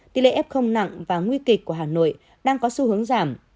tỷ lệ ép công nặng và nguy kịch của hà nội đang có xu hướng giảm